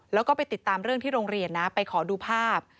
แล้วก็ไปติดตามเรื่องที่โรงเรียนนะไปขอดูภาพ